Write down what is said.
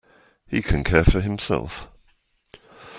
He can care for himself.